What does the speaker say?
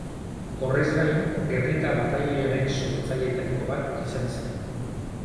Horrez gain, Gernika Batailoiaren sortzailetariko bat izan zen.